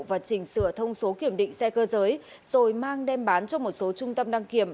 và chỉnh sửa thông số kiểm định xe cơ giới rồi mang đem bán cho một số trung tâm đăng kiểm